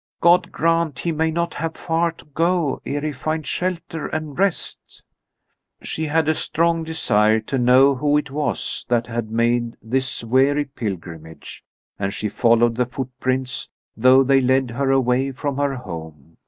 "God grant he may not have far to go ere he find shelter and rest." She had a strong desire to know who it was that had made this weary pilgrimage, and she followed the footprints, though they led her away from her home.